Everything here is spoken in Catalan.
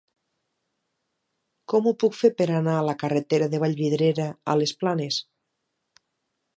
Com ho puc fer per anar a la carretera de Vallvidrera a les Planes?